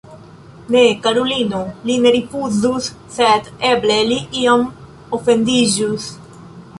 Ne, karulino, li ne rifuzus, sed eble li iom ofendiĝus.